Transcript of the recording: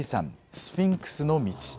スフィンクスの道。